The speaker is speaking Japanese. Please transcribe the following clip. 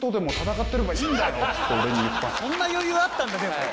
そんな余裕あったんだでも。